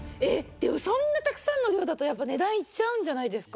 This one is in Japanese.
でもそんなたくさんの量だとやっぱ値段いっちゃうんじゃないですか？